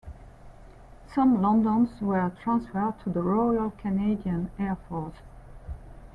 Some Londons were transferred to the Royal Canadian Air Force.